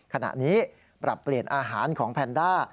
ขณะนี้ปรับเปลี่ยนอาหารของแพนด้า